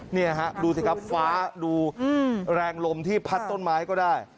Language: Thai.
นี่ฮะดูสิครับฟ้าดูแรงลมที่พัดต้นไม้ก็ได้